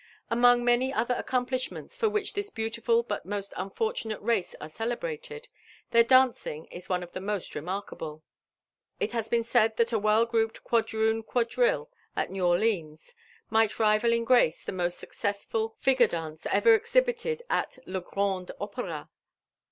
Among many other accomplishments for which this beautiful but most unfortunate race arc celebrated, their dancing is one cf (he most remarkable ; and it has beeQ said that a well grouped quadroon qua JONATHAN JEFFERSON WHITLAW. MS driHe at Ne\r Orleans might rival ih grace the most successful figure dance ever cxhibiled at le grand Opera."